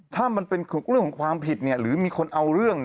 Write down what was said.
ถ้ามันเป็นเรื่องของความผิดหรือมีคนเอาเรื่อง